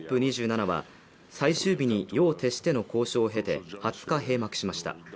２７は最終日に夜を徹しての交渉を経て２０日、閉幕しました。